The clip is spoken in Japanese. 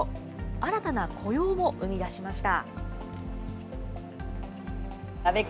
新たな雇用も生み出しました。